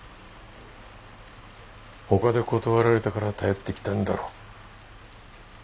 ほかで断られたから頼ってきたんだろ。